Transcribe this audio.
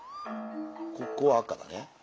ここ赤だね。